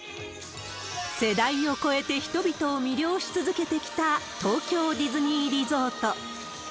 世代を超えて人々を魅了し続けてきた、東京ディズニーリゾート。